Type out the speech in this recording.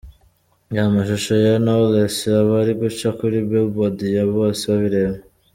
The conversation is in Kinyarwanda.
Reba amashusho ya Knowless aba ari guca kuri Billboard ya ’Bose Babireba’.